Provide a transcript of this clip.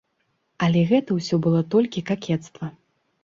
Але гэта ўсё было толькі какецтва.